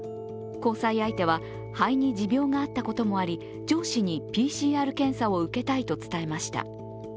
交際相手は、肺に持病があったこともあり上司にＰＣＲ検査を受けたいと伝えました。